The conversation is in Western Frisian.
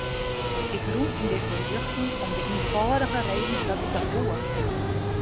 Ik rûn yn dizze rjochting om de ienfâldige reden dat ik dat woe.